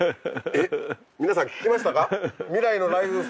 皆さん聞きましたか？